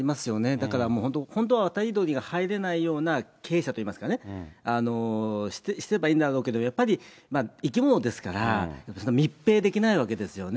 だからもう本当、本当は渡り鳥が入れないような鶏舎といいますか、してればいいんだろうけど、やっぱり生き物ですから、密閉できないわけですよね。